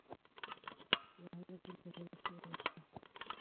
নাহলে তোর কপালে শনি আছে।